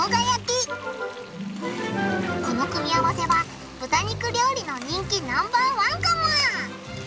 この組み合わせは豚肉料理の人気ナンバー１かも！